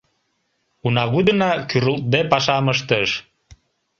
Унагудына кӱрылтде пашам ыштыш.